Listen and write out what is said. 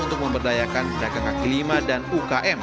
untuk memberdayakan rakyat rakyat kelima dan ukm